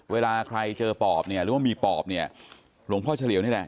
เวลาใครเจอปอบเนี่ยหรือว่ามีปอบเนี่ยหลวงพ่อเฉลี่ยวนี่แหละ